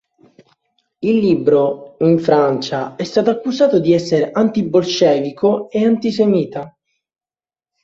Il libro, in Francia, è stato accusato di essere anti-bolscevico e antisemita.